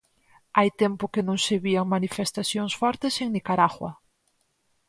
Hai tempo que non se vían manifestacións fortes en Nicaragua.